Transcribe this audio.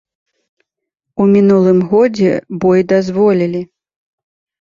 У мінулым годзе бой дазволілі.